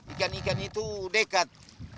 ikan ikan itu dekat